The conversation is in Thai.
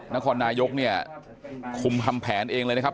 นครนายกเนี่ยคุมทำแผนเองเลยนะครับ